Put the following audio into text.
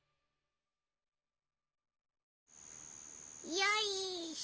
よいしょ。